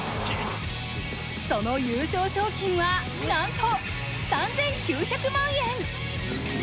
その優勝賞金はなんと３９００万円。